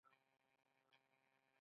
تاریخ بې رحمه دی.